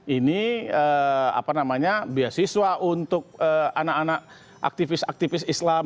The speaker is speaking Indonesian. ini biasiswa untuk anak anak aktivis aktivis islam